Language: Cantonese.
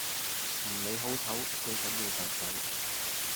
唔理好醜最緊要就手